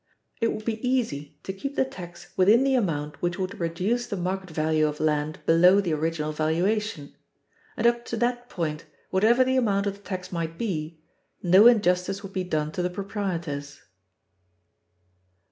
It would be easy to keep the tax within the amount which would reduce the market value of land below the original valuation; and up to that point, whatever the amount of the tax might be, no injustice would be done to the proprietors.